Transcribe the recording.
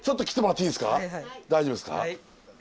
大丈夫ですか？